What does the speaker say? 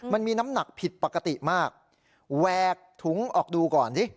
มันมีน้ำหนักผิดปกติมากแวกถุงออกดูก่อนดิ